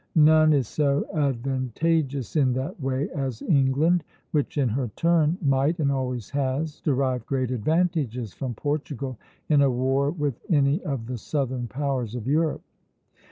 None is so advantageous in that way as England, which in her turn might, and always has, derived great advantages from Portugal in a war with any of the southern powers of Europe."